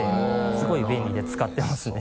すごい便利で使ってますね。